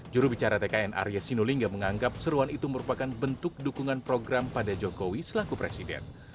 jurubicara tkn arya sinulinga menganggap seruan itu merupakan bentuk dukungan program pada jokowi selaku presiden